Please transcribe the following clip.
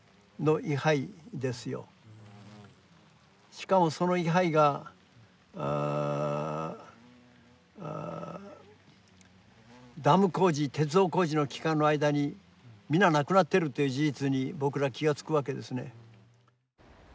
しかもその位牌がダム工事鉄道工事の期間の間に皆亡くなってるという事実に僕ら気が付くわけですね。